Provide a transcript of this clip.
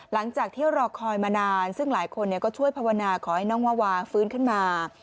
หลังจากที่รอคอยมานานซึ่งหลายคนก็ช่วยภาวนาขอให้น้องวาวาฟื้นขึ้นมา